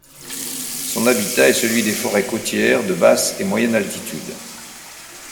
Son habitat est celui des forêts côtières de basse et moyenne altitude.